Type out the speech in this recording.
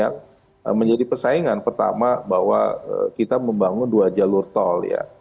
yang menjadi persaingan pertama bahwa kita membangun dua jalur tol ya